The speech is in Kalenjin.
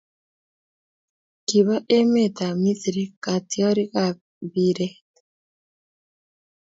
Kiba emet ab Misri katwarik ab mpiret